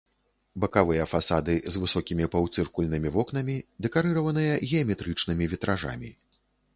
Бакавыя фасады з высокімі паўцыркульнымі вокнамі, дэкарыраваныя геаметрычнымі вітражамі.